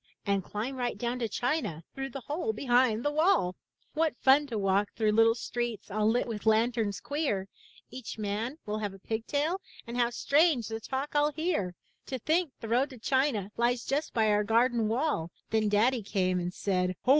And climb right down to China through The hole behind the wall! 386 IN THE NURSERY What fun to walk through little streets All lit with lanterns queer! Each man will have a pig tail, and How strange the talk FU hear! To think the road to China lies Just by our garden wall! Then Daddy came and said, '*Ho!